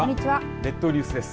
列島ニュースです。